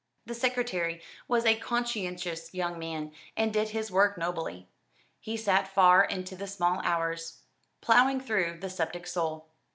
The secretary was a conscientious young man, and did his work nobly. He sat far into the small hours, ploughing through "The Sceptic Soul."